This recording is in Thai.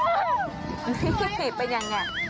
นี่เป็นยังไง